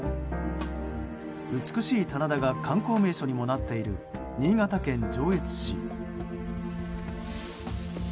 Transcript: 美しい棚田が観光名所にもなっている新潟県上越市。